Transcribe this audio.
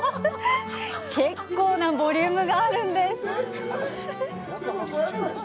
結構なボリュームがあるんです。